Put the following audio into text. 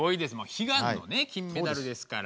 悲願のね金メダルですから。